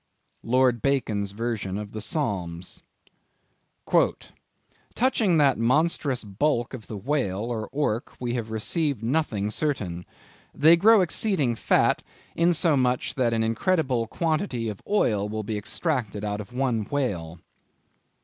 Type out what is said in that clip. —Lord Bacon's Version of the Psalms. "Touching that monstrous bulk of the whale or ork we have received nothing certain. They grow exceeding fat, insomuch that an incredible quantity of oil will be extracted out of one whale."